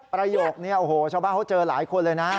ประโยคนี้โอ้โหชาวบ้านเขาเจอหลายคนเลยนะ